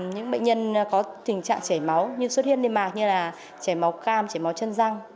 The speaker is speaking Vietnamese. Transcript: những bệnh nhân có tình trạng chảy máu như xuất hiện liên mạc như là trẻ máu cam chảy máu chân răng